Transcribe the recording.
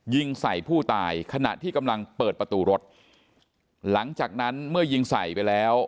ยิงใส่ผู้ตายขณะที่กำลังเปิดประตูรถหลังจากนั้นเมื่อยิงใส่ไปแล้ว